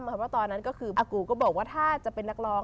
เพราะว่าตอนนั้นก็คือป้ากูก็บอกว่าถ้าจะเป็นนักร้อง